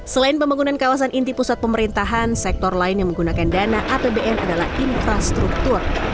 selain pembangunan kawasan inti pusat pemerintahan sektor lain yang menggunakan dana apbn adalah infrastruktur